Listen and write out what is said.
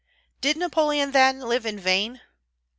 Did Napoleon, then, live in vain?